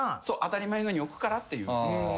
そう当たり前のように置くからっていう。